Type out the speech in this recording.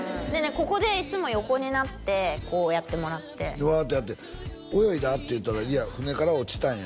ここでいつも横になってこうやってもらってでワーッとやって「泳いだ？」って言ったら「いや船から落ちたんや」